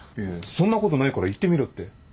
そんなことないから言ってみろって。